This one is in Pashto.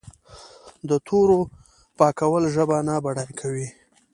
د تورو پاکول ژبه نه بډای کوي.